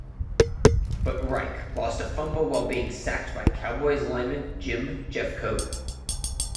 But Reich lost a fumble while being sacked by Cowboys lineman Jim Jeffcoat.